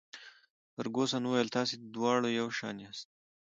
فرګوسن وویل: تاسي دواړه یو شان یاست.